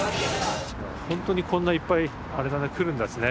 ほんとにこんないっぱいあれだね来るんだすね